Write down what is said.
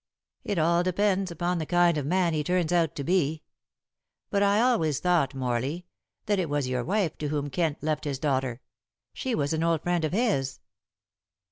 "It all depends upon the kind of man he turns out to be. But I always thought, Morley, that it was your wife to whom Kent left his daughter. She was an old friend of his."